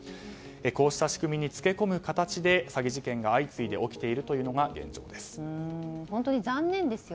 こうした仕組みにつけ込む形で詐欺事件が相次いで起きているのが現状です。